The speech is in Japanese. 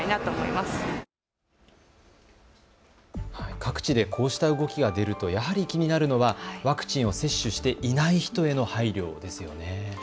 各地でこうした動きが出るとやはり気になるのはワクチンを接種していない人への配慮ですね。